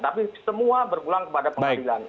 tapi semua berpulang kepada pengadilan